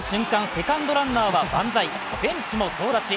セカンドランナーは万歳ベンチも総立ち。